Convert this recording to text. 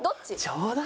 冗談！